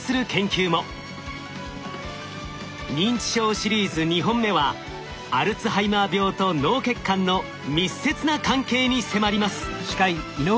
認知症シリーズ２本目はアルツハイマー病と脳血管の密接な関係に迫ります。